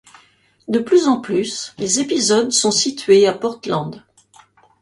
De plus en plus, les épisodes sont situés à Portland.